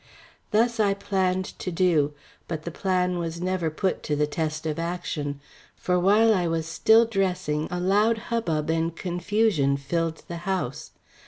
Thus I planned to do, but the plan was never put to the test of action. For while I was still dressing, a loud hubbub and confusion filled the house.